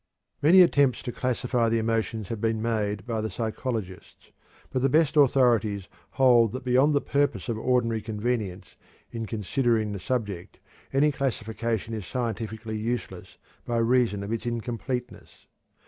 Many attempts to classify the emotions have been made by the psychologists, but the best authorities hold that beyond the purpose of ordinary convenience in considering the subject any classification is scientifically useless by reason of its incompleteness.